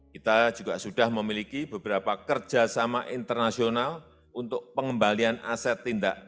kita juga sudah memiliki beberapa kerjasama internasional untuk pengembalian aset tindakan